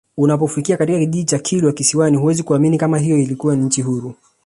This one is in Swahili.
Unapofika katika kijiji cha Kilwa Kisiwani huwezi kuamini kama hiyo ilikuwa nchi huru